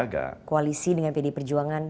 kedepannya membangun koalisi dengan pd perjuangan